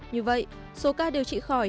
như vậy số ca điều trị khỏi